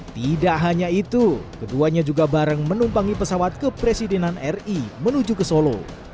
tidak hanya itu keduanya juga bareng menumpangi pesawat kepresidenan ri menuju ke solo